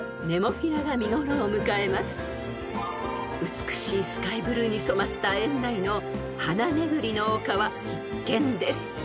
［美しいスカイブルーに染まった園内の花巡りの丘は必見です］